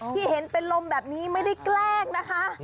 ที่เห็นเป็นลมแบบนี้ไม่ได้แกล้งนะคะ